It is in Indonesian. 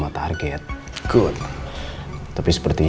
aku mau ikut sama dia